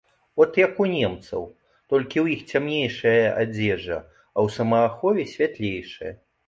От як у немцаў, толькі ў іх цямнейшая адзежа, а ў самаахове святлейшая.